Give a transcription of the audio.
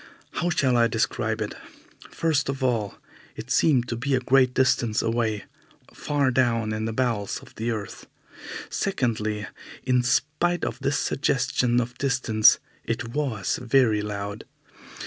How shall I describe it? First of all, it seemed to be a great distance away, far down in the bowels of the earth. Secondly, in spite of this suggestion of distance, it was very loud.